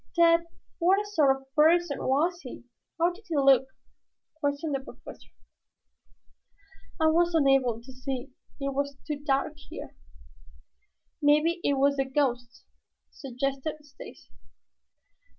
"Tad, what sort of person was he? How did he look?" questioned the Professor. "I was unable to see. It was too dark here." "Maybe it was the ghost," suggested Stacy.